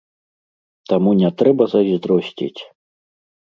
Таму не трэба зайздросціць!